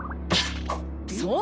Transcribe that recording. そう！